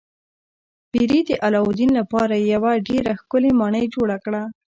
پیري د علاوالدین لپاره یوه ډیره ښکلې ماڼۍ جوړه کړه.